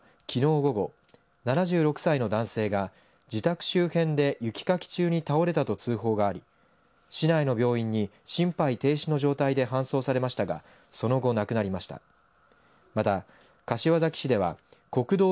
このうち小千谷市では、きのう午後７６歳の男性が自宅周辺で雪かき中に倒れたと通報があり市内の病院に心肺停止の状態で搬送されましたがその後、亡くなりました。